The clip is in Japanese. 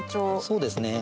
そうですね